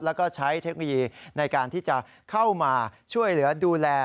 แล้วก็ใช้เทคโนโลยีในการที่จะเข้ามาช่วยเหลือดูแล